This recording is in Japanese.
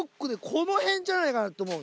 この辺じゃないかなって思うのよ。